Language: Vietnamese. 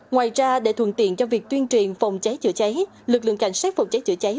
ngoài ra để thuận tiện cho việc tuyên truyền phòng cháy chữa cháy lực lượng cảnh sát phòng cháy chữa cháy